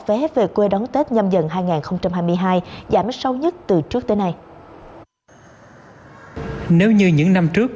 vé về quê đón tết nhâm dần hai nghìn hai mươi hai giảm sâu nhất từ trước tới nay nếu như những năm trước